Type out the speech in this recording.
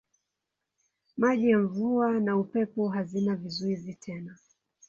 Maji ya mvua na upepo hazina vizuizi tena.